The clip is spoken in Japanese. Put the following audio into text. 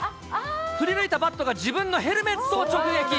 振り抜いたバットが、自分のヘルメットを直撃。